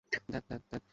ধ্যাত, ধ্যাত, ধ্যাত!